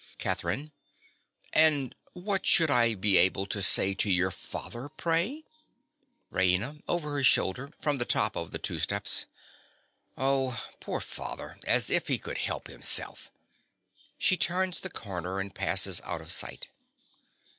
_) CATHERINE. And what should I be able to say to your father, pray? RAINA. (over her shoulder, from the top of the two steps). Oh, poor father! As if he could help himself! (_She turns the corner and passes out of sight.